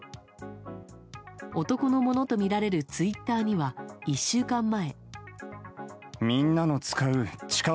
男のものとみられるツイッターには１週間前。